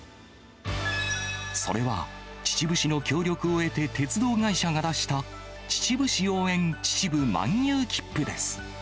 それは、秩父市の協力を得て鉄道会社が出した秩父市応援秩父漫遊きっぷです。